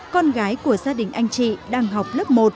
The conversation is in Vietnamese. con gái của gia đình anh chị đang học lớp một